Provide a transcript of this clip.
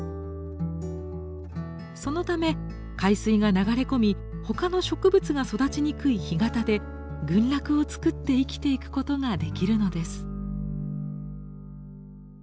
そのため海水が流れ込み他の植物が育ちにくい干潟で群落を作って生きていくことができるのです。